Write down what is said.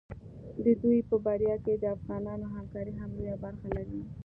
د دوی په بریا کې د افغانانو همکاري هم لویه برخه لري.